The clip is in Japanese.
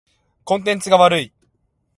コンテンツが悪い。